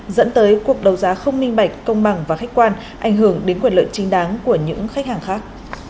dẫn tới cuộc đấu giá không minh bạch công bằng và khách quan ảnh hưởng đến quyền lợi chính đáng của những khách hàng khác